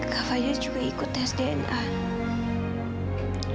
kak fadil juga ikut tes dna